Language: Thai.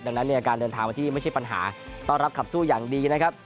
ดังนั้นเนี่ยการเดินทางมาที่ไม่ใช่ปัญหาต้อนรับขับสู้อย่างดีนะครับ